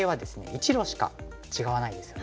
１路しか違わないですよね。